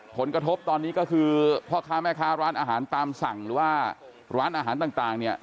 ผลกระทบตอนนี้ก็คือพ่อค้าแม่ค้าร้านอาหารตามสั่งหรือว่าร้านอาหารต่างเนี่ย